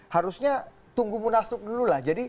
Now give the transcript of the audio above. harusnya tunggu munasruk dulu lah jadi